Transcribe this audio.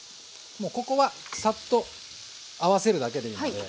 もうここはさっと合わせるだけでいいので。